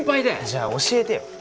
じゃあ教えてよ。